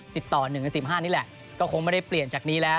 ๑ใน๑๕นี่แหละก็คงไม่ได้เปลี่ยนจากนี้แล้ว